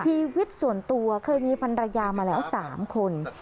ชีวิตส่วนตัวเคยมีพันรยามาแล้ว๓คน